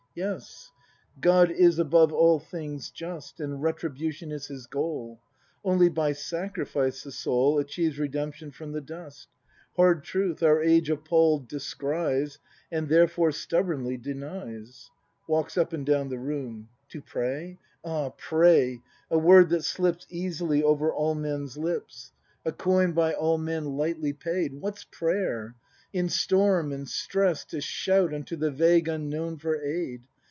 ] Yes, God is above all things just. And retribution is His goal; Only by sacrifice the soul Achieves redemption from the dust; Hard truth, our age appall'd descries. And, therefore, stubbornly denies. [Walks up and dovm the room.] To pray ? Ah, pray— a word that slips Easily over all men's lips; 188 BRAND [act iv A coin by all men lightly paid. What's prayer ? In storm and stress to shout Unto the vague Unknown for aid.